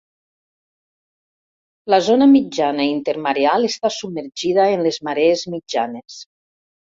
La zona mitjana intermareal està submergida en les marees mitjanes.